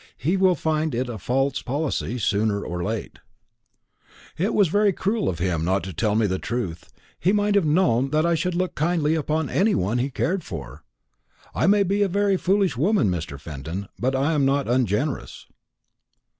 He will find it a false policy sooner or late." "It was very cruel of him not to tell me the truth. He might have known that I should look kindly upon any one he cared for. I may be a very foolish woman, Mr. Fenton, but I am not ungenerous."